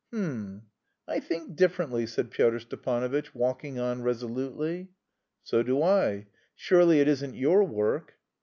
"H'm! I think differently," said Pyotr Stepanovitch, walking on resolutely. "So do I; surely it isn't your work?"